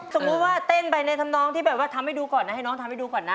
สมมุติว่าเต้นไปในธรรมนองที่แบบว่าทำให้ดูก่อนนะให้น้องทำให้ดูก่อนนะ